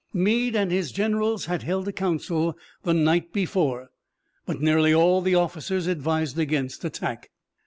Meade and his generals had held a council the night before but nearly all the officers advised against attack.